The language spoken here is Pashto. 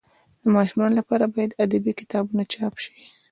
د ماشومانو لپاره باید ادبي کتابونه چاپ سي.